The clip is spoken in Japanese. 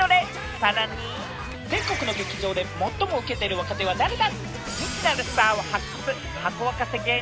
さらに、全国の劇場で最もウケてる若手は誰だ？